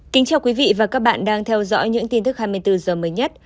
kính chào quý vị và các bạn đang theo dõi những tin tức hai mươi bốn h mới nhất